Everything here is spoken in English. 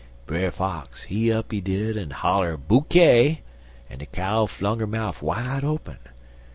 Brer Fox, he up, he did, en holler Bookay, en de cow flung 'er mouf wide open.